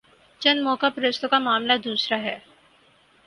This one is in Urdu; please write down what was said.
چند موقع پرستوں کا معاملہ دوسرا ہے۔